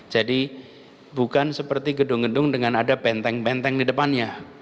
jadi bukan seperti gedung gedung dengan ada benteng benteng di depannya